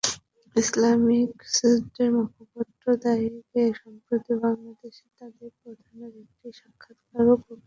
Islamic স্টেটের মুখপত্র দাবিক-এ সম্প্রতি বাংলাদেশে তাদের প্রধানের একটি সাক্ষাৎকারও প্রকাশিত হয়েছে।